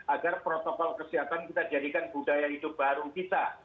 agar protokol kesehatan kita jadikan budaya hidup baru kita